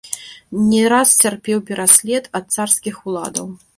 Не раз цярпеў пераслед ад царскіх ўладаў.